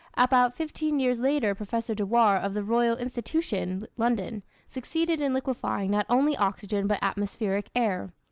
About fifteen years later Professor Dewar of the Royal Institution, London, succeeded in liquefying not only oxygen but atmospheric air.